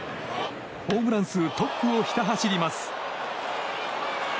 ホームラン数トップをひた走ります。